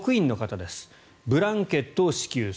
ブランケットを支給します。